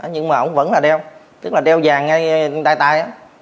nhưng mà ông vẫn là đeo tức là đeo vàng ngay tay tay